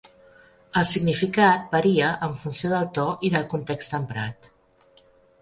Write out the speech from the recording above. El significat varia en funció del to i del context emprat.